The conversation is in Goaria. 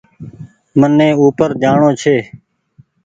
مني او پر جآڻو ڇي